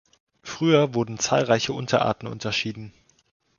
Früher wurden zahlreiche Unterarten unterschieden.